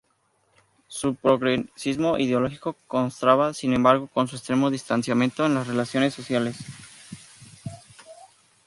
Su progresismo ideológico contrastaba sin embargo con su extremo distanciamiento en las relaciones sociales.